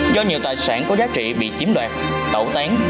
do nhiều tài sản có giá trị bị chiếm đoạt tẩu tán